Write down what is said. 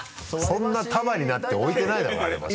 そんな束になって置いてないだろ割り箸。